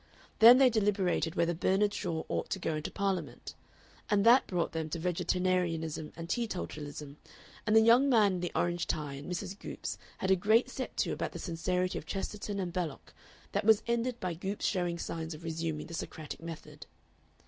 Then they deliberated whether Bernard Shaw ought to go into Parliament. And that brought them to vegetarianism and teetotalism, and the young man in the orange tie and Mrs. Goopes had a great set to about the sincerity of Chesterton and Belloc that was ended by Goopes showing signs of resuming the Socratic method.